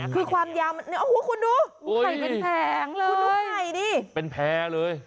คือความยาวมันโอ้โหคุณดูไข่เป็นแผงเลยคุณดูไข่ดิเป็นแพร่เลย